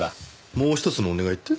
もうひとつのお願いって？